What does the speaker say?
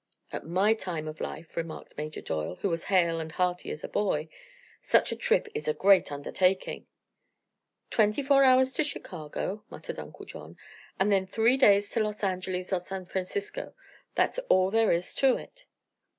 "At my time of life," remarked Major Doyle, who was hale and hearty as a boy, "such a trip is a great undertaking." "Twenty four hours to Chicago," muttered Uncle John; "and then three days to Los Angeles or San Francisco. That's all there is to it."